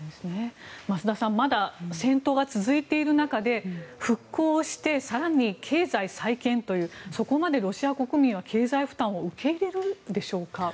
増田さんまだ戦闘が続いている中で復興して更に経済再建というそこまでロシア国民は経済負担を受け入れるのでしょうか。